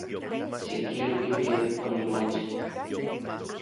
Xikilui ken onimochi.